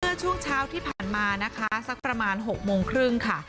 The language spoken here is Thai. ช่วงเช้าที่ผ่านมานะคะสักประมาณ๖โมงครึ่งค่ะ